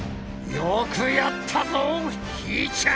よくやったぞひーちゃん！